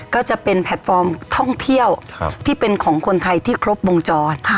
ก็จะเป็นแพลตฟอร์มท่องเที่ยวที่เป็นของคนไทยที่ครบวงจร